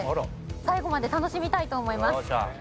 最後まで楽しみたいと思います。